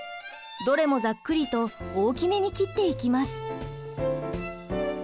どれもざっくりと大きめに切っていきます。